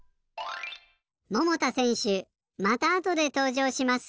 桃田せんしゅまたあとでとうじょうします。